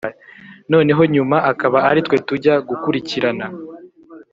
noneho nyuma akaba ari twe tujya gukurikirana